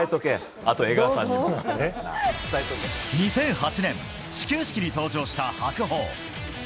２００８年始球式に登場した白鵬。